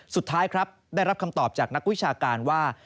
สุดท้ายครับได้รับคำตอบจากนักวิชาการว่า